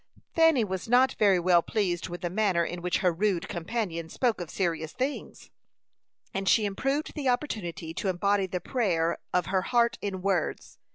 Fanny was not very well pleased with the manner in which her rude companion spoke of serious things, and she improved the opportunity to embody the prayer of her heart in words.